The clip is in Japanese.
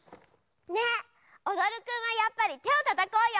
ねっおどるくんはやっぱりてをたたこうよ！